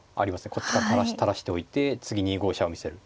こっちから垂らしておいて次２五飛車を見せる。